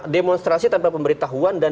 demonstrasi tanpa pemberitahuan